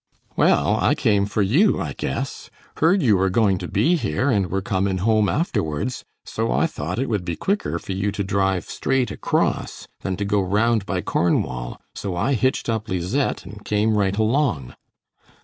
"Well, I came for you, I guess. Heard you were going to be here and were comin' home afterwards, so I thought it would be quicker for you to drive straight across than to go round by Cornwall, so I hitched up Lisette and came right along."